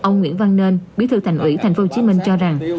ông nguyễn văn nên bí thư thành ủy tp hcm cho rằng